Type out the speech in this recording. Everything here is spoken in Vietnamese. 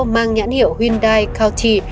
mang nhãn hiệu hyundai county